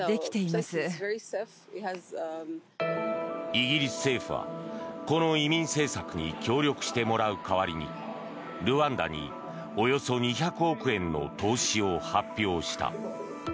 イギリス政府はこの移民政策に協力してもらう代わりにルワンダに、およそ２００億円の投資を発表した。